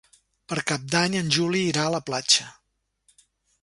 Per Cap d'Any en Juli irà a la platja.